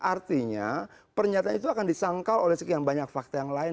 artinya pernyataan itu akan disangkal oleh sekian banyak fakta yang lain